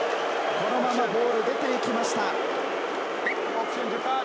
このままボールが出ていきました。